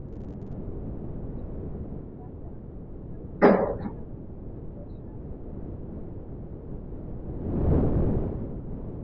Uganda wamechangamkia fursa mpya za kibiashara Jamuhuri ya Demokrasia ya Kongo